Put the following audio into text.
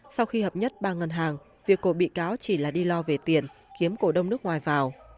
sau khi hợp nhất ba ngân hàng việc cổ bị cáo chỉ là đi lo về tiền kiếm cổ đông nước ngoài vào